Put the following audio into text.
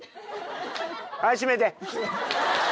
はい閉めて。